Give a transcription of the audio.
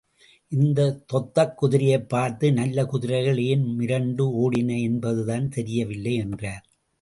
இந்த தொத்தக் குதிரையைப் பார்த்து, நல்ல குதிரைகள் ஏன் மிரண்டு ஓடின—என்பதுதான் தெரியவில்லை—என்றார்.